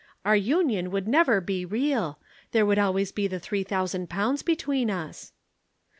'Our union would never be real. There would always be the three thousand pounds between us.'